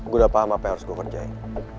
gue udah paham apa yang harus gue kerjain